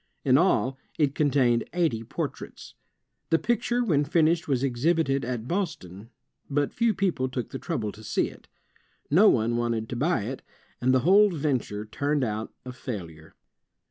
In all, it contained eighty portraits. The picture when finished was exhibited at Boston, but few people took the trouble to see it. No one wanted to buy it, and the whole venture turned out a failure.